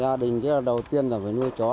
gia đình đầu tiên là phải nuôi chó